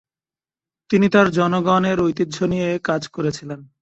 তিনি তার জনগণের ঐতিহ্য নিয়ে কাজ করেছিলেন।